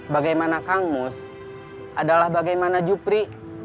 bagaimana kang mus adalah bagaimana jupri